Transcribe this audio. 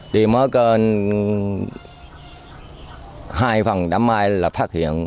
đi mở cơn hai phần đám mai là phát hiện